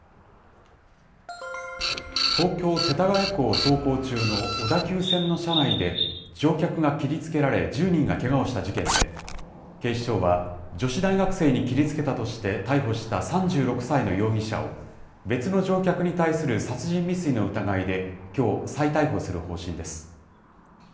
東京・世田谷区を走行中の小田急線の車内で、乗客が切りつけられ、１０人がけがをした事件で、警視庁は、女子大学生に切りつけたとして逮捕した３６歳の容疑者を別の乗客に対する殺人未遂の疑いで、きょう再逮捕する方針です。